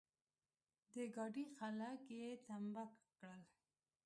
د ګاډي خلګ يې ټمبه کړل.